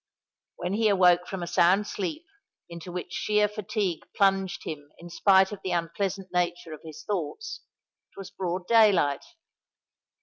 When he awoke from a sound sleep, into which sheer fatigue plunged him in spite of the unpleasant nature of his thoughts, it was broad day light.